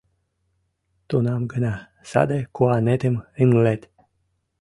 Тунам гына саде куанетым ыҥлет...